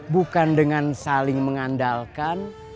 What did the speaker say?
bukan dengan saling mengandalkan